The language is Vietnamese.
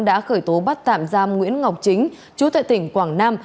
đã khởi tố bắt tạm giam nguyễn ngọc chính chú tại tỉnh quảng nam